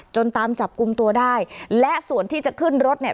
ตามจับกลุ่มตัวได้และส่วนที่จะขึ้นรถเนี่ย